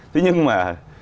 thế nhưng mà